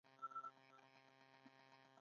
د کاناډا غوښه ښه کیفیت لري.